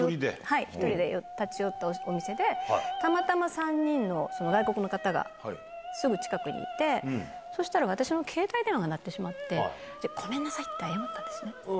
１人で立ち寄ったお店で、たまたま３人の外国の方がすぐ近くにいて、そうしたら私の携帯電話が鳴ってしまって、ごめんなさいって謝ったんですよね。